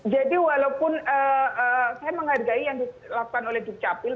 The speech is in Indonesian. jadi walaupun saya menghargai yang dilakukan oleh duk capil